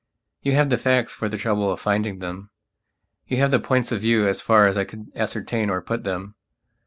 You have the facts for the trouble of finding them; you have the points of view as far as I could ascertain or put them.